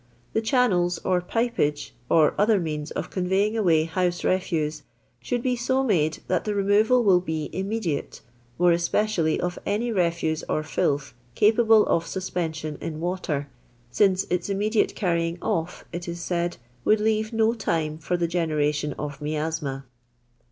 The channds, or pipeage, or other means of conveying away house refuse, should be so made that the removal will be immediate, more especially of any refute or filth capable of suspendon in water, since its immediate carrying off, it is said, would leave no time for the generation of miasma.